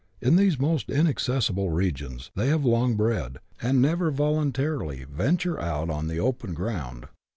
In these almost inaccessible regions they have long bred, and never voluntarily venture out on the open ground.